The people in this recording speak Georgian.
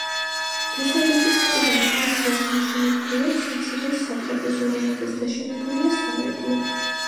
დასავლეთის მხრიდან ეკლესიას მიშენებული აქვს მცირე სატრაპეზო, რომელზეც დაშენებულია სამრეკლო.